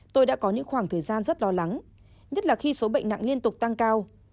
tôi đã có những khoảng thời gian rất lo lắng nhất là khi số bệnh nặng liên tục tăng cao